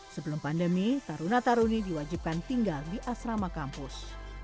sebelum pandemi taruna taruni diwajibkan tinggal di asrama kampus